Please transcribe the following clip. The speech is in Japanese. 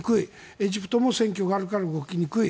エジプトも選挙があるから動きにくい。